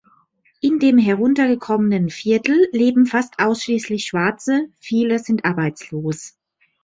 In dem heruntergekommenen Viertel leben fast ausschließlich Schwarze, viele sind arbeitslos.